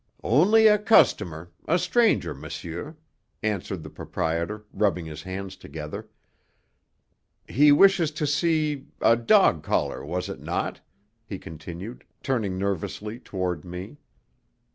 "Only a customer a stranger, monsieur," answered the proprietor, rubbing his hands together. "He wishes to see a dog collar, was it not?" he continued, turning nervously toward me.